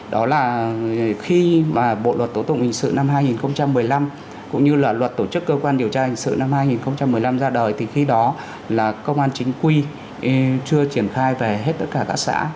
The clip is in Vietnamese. đó là khi mà bộ luật tố tụng hình sự năm hai nghìn một mươi năm cũng như là luật tổ chức cơ quan điều tra hình sự năm hai nghìn một mươi năm ra đời thì khi đó là công an chính quy chưa triển khai về hết tất cả các xã